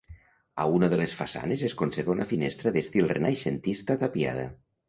A una de les façanes es conserva una finestra d'estil renaixentista tapiada.